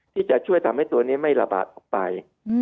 ที่จะช่วยทำให้ตัวนี้ไม่ระบาดออกไป